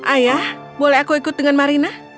ayah boleh aku ikut dengan marina